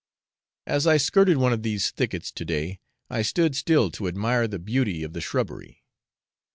As I skirted one of these thickets to day, I stood still to admire the beauty of the shrubbery.